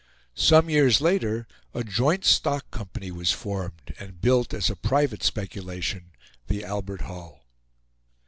Some years later a joint stock company was formed and built, as a private speculation, the Albert Hall.